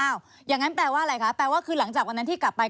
อย่างนั้นแปลว่าอะไรคะแปลว่าคือหลังจากวันนั้นที่กลับไป